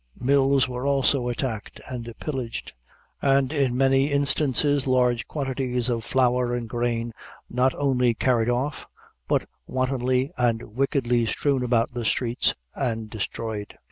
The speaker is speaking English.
Mills were also attacked and pillaged, and in many instances large quantities of flour and grain not only carried off, but wantonly and wickedly strewn about the streets and destroyed.